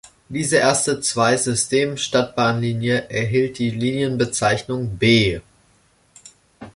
Diese erste Zweisystem-Stadtbahnlinie erhielt die Linienbezeichnung „B“.